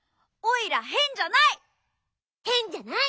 へんじゃないね。